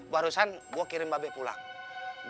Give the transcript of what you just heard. barusan gua kirim baabe pulang